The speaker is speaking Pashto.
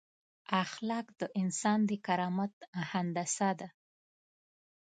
اخلاق د انسان د کرامت هندسه ده.